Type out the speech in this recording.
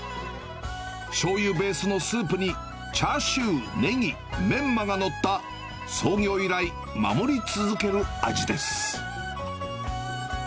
しょうゆベースのスープに、チャーシュー、ねぎ、メンマが載った創業以来、守り続ける味です。